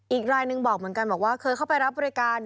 อีกรายหนึ่งบอกเหมือนกันบอกว่าเคยเข้าไปรับบริการ